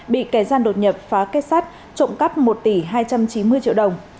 bị kẻ gian đột nhập phá kết sắt trộm cắp một tỷ hai trăm chín mươi triệu đồng